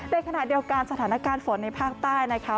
ในขณะเดียวกันสถานการณ์ฝนในภาคใต้นะคะ